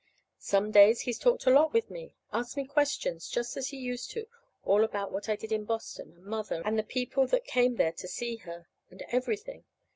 Some days he's talked a lot with me asked me questions just as he used to, all about what I did in Boston, and Mother, and the people that came there to see her, and everything.